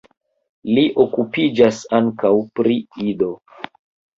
Li okupiĝas ankaŭ pri Ido.